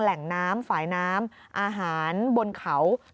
แหล่งน้ำฝ่ายน้ำอาหารบนเขา